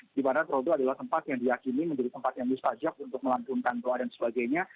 di mana troto adalah tempat yang diakini menjadi tempat yang mustajab untuk melantunkan doa dan sebagainya